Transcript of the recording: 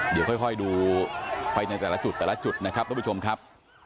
เดี๋ยวค่อยดูไปในแต่ละจุดแต่ละจุดนะครับทุกผู้ชมครับ